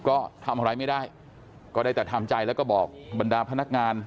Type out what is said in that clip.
ก็ทำอะไรไม่ได้ก็ได้แต่ทำใจแล้วก็บอกบรรดาพนักงาน